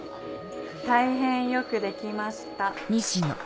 大変よくできました。